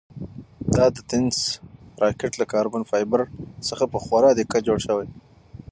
دا د تېنس راکټ له کاربن فایبر څخه په خورا دقت جوړ شوی.